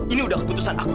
ini udah keputusan aku